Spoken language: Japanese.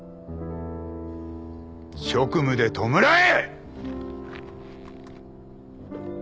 職務で弔え！